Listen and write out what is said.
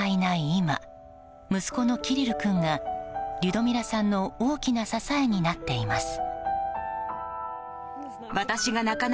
今息子のキリル君がリュドミラさんの大きな支えになっています。